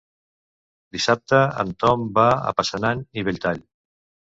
Dissabte en Ton va a Passanant i Belltall.